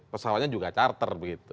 pesawatnya juga charter